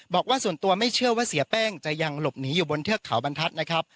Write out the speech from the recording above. บอกว่าส่วนตัวไม่เชื่อว่าเสียแป้งจะยังหลบหนีอยู่บนเทือกเขาบรรทัศน์นะครับ